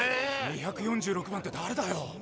２４６番ってだれだよ？